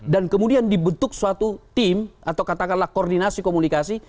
dan kemudian dibentuk suatu tim atau katakanlah koordinasi komunikasi